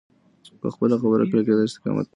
په خپله خبره کلکېدل استقامت دی.